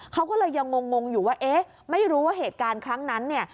เขาก็เลยยังงงอยู่ว่าเอ๊ะไม่รู้ว่าเหตุการณ์ครั้งนั้นเนี่ย